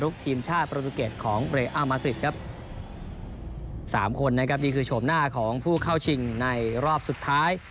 ๓คนนะครับนี่คือโฉมหน้าของผู้เข้าชิงในรอบสุดท้าย